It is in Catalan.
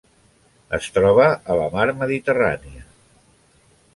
Es troba a la Mar Mediterrània: